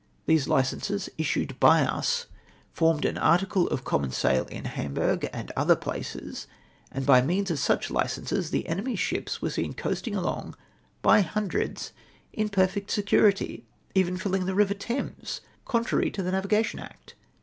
These licenses, issued by ns, fanned an article of common sale in Hamburgh and other places, and by means of such licenses the enemy's ships were seen coasting along by hundreds in perfect security, even tilling the river Thames, contrary to the Navigation Act